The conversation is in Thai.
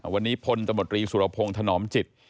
วันนี้พลตมตรีสุรพงศ์ถนอมจิต